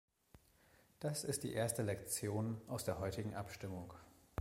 Das ist die erste Lektion aus der heutigen Abstimmung.